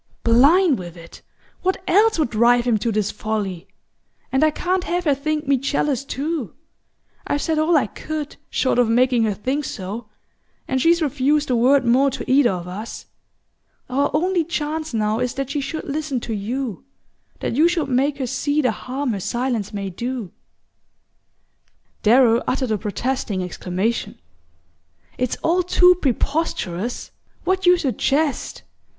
"Blind with it what else would drive him to this folly? And I can't have her think me jealous too! I've said all I could, short of making her think so; and she's refused a word more to either of us. Our only chance now is that she should listen to you that you should make her see the harm her silence may do." Darrow uttered a protesting exclamation. "It's all too preposterous what you suggest!